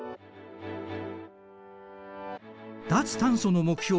脱炭素の目標